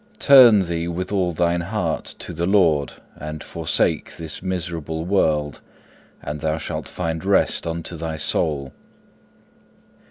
Turn thee with all thine heart to the Lord and forsake this miserable world, and thou shalt find rest unto thy soul.